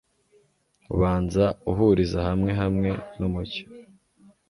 ubanza uhuriza hamwe hamwe numucyo